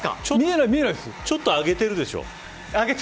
ちょっと上げてるでしょ。